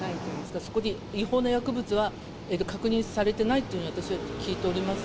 はい、そこに違法な薬物は確認されてないというふうに私は聞いております。